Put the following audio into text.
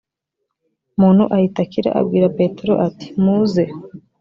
muntu ahita akira abwira petero ati muze